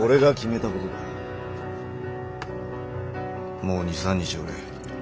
もう２３日おれ。